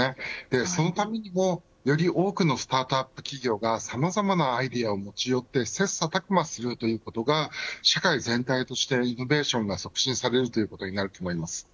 そのためにも、より多くのスタートアップ企業がさまざまなアイデアを持ち寄り切磋琢磨することが社会全体としてイノベーションが促進されるということになると思います。